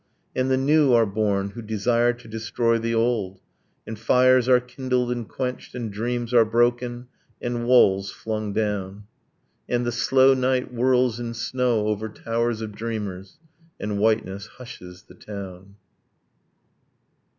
And the new are born who desire to destroy the old; And fires are kindled and quenched; and dreams are broken, And walls flung down ... And the slow night whirls in snow over towers of dreamers, And whiteness hushes the town.